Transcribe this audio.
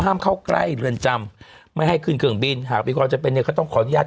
ห้ามเข้าใกล้เรือนจำไม่ให้คืนเครื่องบินหากพิกรจะเป็นเนี่ยเขาต้องขออนุญาต